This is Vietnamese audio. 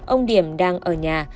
ông điểm đang ở nhà